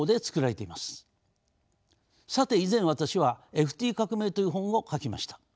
さて以前私は「ＦＴ革命」という本を書きました。